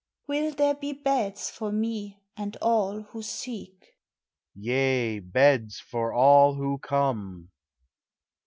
Will there be beds for me and all who seek? Yea, beds for all tvho come.